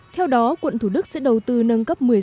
theo đó quận thủ đức sẽ đầu tư nâng cấp